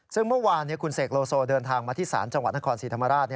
ซึ่งเมื่อวานคุณเสกโลโซเดินทางมาที่ศาลจังหวัดนครศรีธรรมราช